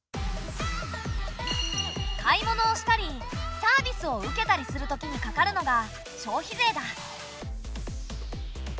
買い物をしたりサービスを受けたりするときにかかるのが消費税だ。